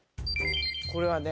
これはね